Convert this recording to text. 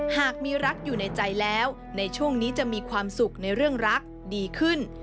หากมีรักอยู่ในใจแล้วในช่วงนี้จะมีความสุขในเรื่องรักดีขึ้น